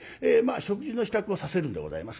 食事の支度をさせるんでございますね。